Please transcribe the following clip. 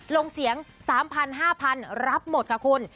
ลงเสียง๓๐๐๕๐๐รับหมดค่ะคุณ